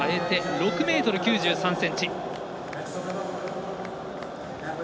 ６ｍ９３ｃｍ。